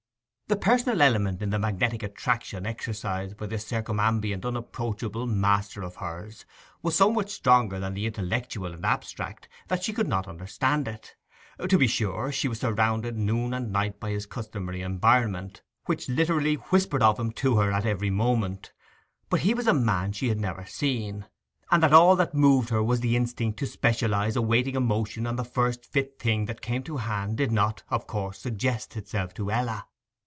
The personal element in the magnetic attraction exercised by this circumambient, unapproachable master of hers was so much stronger than the intellectual and abstract that she could not understand it. To be sure, she was surrounded noon and night by his customary environment, which literally whispered of him to her at every moment; but he was a man she had never seen, and that all that moved her was the instinct to specialize a waiting emotion on the first fit thing that came to hand did not, of course, suggest itself to Ella.